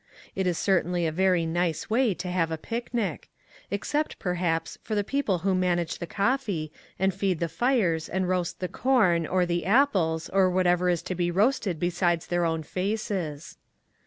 It is certainly a very nice way to have a picnic ; except, perhaps, for the people who manage the coffee, and feed the SOCIETY CIRCLES. 79 fires, and roast the corn, or the apples or what ever is to be rousted besides their own faces.